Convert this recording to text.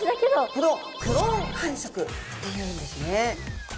これをクローン繁殖っていうんですね。